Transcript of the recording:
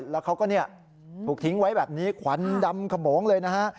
แล้วเขาก็ถึงไว้แบบนี้ขวันดำขมองเลยนะฮะ